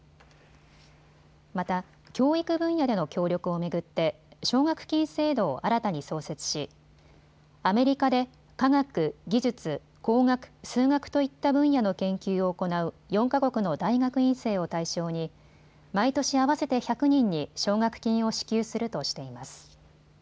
また教育分野での協力を巡って奨学金制度を新たに創設しアメリカで科学、技術、工学、数学といった分野の研究を行う４か国の大学院生を対象に毎年、合わせて１００人に奨学金を支給するとしています。